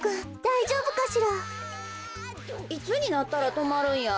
いつになったらとまるんや？